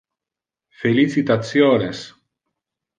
Felicitationes!